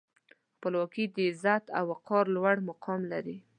خپلواکي د عزت او وقار لوړ مقام لري.